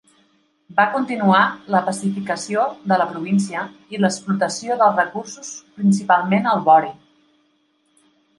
Va continuar la pacificació de la província i l'explotació dels recursos principalment el vori.